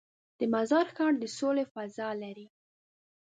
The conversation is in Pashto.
د مزار ښار د سولې فضا لري.